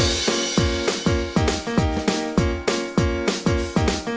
อันนี้คือไส้อะไรคะมันแกว